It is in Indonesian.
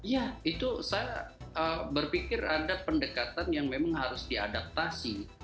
ya itu saya berpikir ada pendekatan yang memang harus diadaptasi